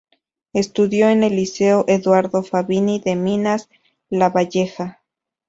Estudió en el Liceo Eduardo Fabini de Minas, Lavalleja.